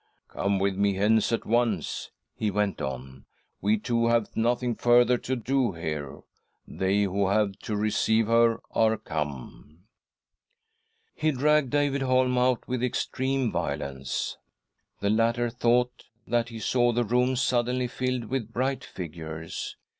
" Come with me hence at once," he went on ;" we two have nothing further to do here. They who have to receive her are come." " SISTER EDITH PLEADS WITH DEATH 129 He dragged David Holm out with extreme . violence. The latter thought that he saw the room suddenly filled with bright figures.